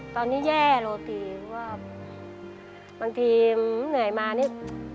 ตอนนี้แย่โรตีเพราะว่าบางทีเหนื่อยมานี่